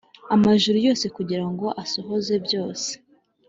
amajuru yose kugira ngo asohoze byose